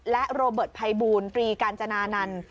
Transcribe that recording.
และโรเบิร์ตภัยบูรตรีกาญจนานันต์